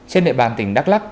trên địa bàn tỉnh đắk lắc